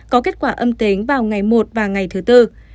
có kết quả âm tính vào ngày một và ngày thứ tư